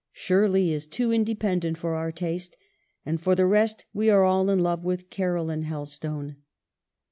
Shirley is too independent for our taste; and, for the rest, we are all in love wjth Caroline Helstone.